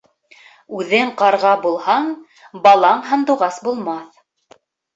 Үҙең ҡарға булһаң, балаң һандуғас булмаҫ.